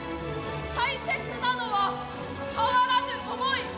大切なのは変わらぬ想い。